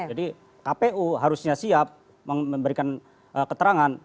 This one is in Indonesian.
jadi kpu harusnya siap memberikan keterangan